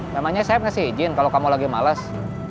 namanya saeb ngasih izin kalau kamu lagi males